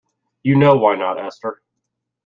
You know why not, Esther.